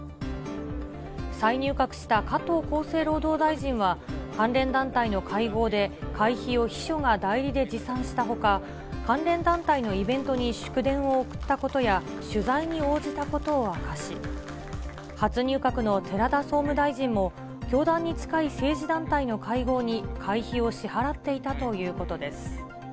再入閣した加藤厚生労働大臣は、関連団体の会合で、会費を秘書が代理で持参したほか、関連団体のイベントに祝電を送ったことや、取材に応じたことを明かし、初入閣の寺田総務大臣も、教団に近い政治団体の会合に会費を支払っていたということです。